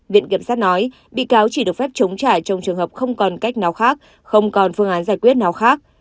viện kiểm sát nói bị cáo chỉ được phép chống trả trong trường hợp không còn cách nào khác không còn phương án giải quyết nào khác